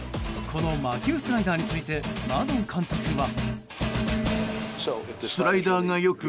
この魔球スライダーについてマドン監督は。